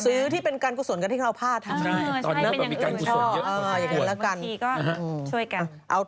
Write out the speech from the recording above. ซื้อที่เป็นการกุศลกันที่เราพลาด